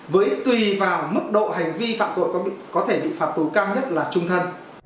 với tùy vào mức độ hành vi phạm tội có thể bị phạt tù cao nhất là trung thân